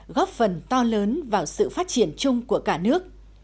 góp phần to lớn vào sự phát triển chung của cả nước